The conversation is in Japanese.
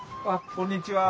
こんにちは。